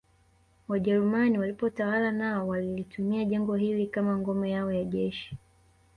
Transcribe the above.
Wajerumani walipotawala nao walilitumia jengo hili kama ngome yao ya jeshi